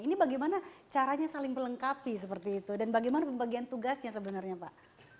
ini bagaimana caranya saling melengkapi seperti itu dan bagaimana pembagian tugasnya sebenarnya pak